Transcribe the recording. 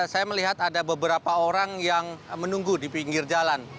saya melihat ada beberapa orang yang menunggu di pinggir jalan